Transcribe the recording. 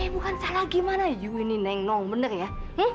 bukan salah bagaimana anda ini benar ya